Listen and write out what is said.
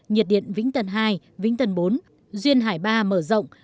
nhiệt điện vĩnh tân hai vĩnh tân bốn duyên hải ba mở rộng